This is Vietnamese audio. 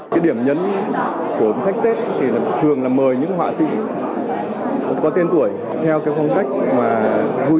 cái điểm nhấn của sách tết thì thường là mời những họa sĩ có tên tuổi theo cái phong cách mà vui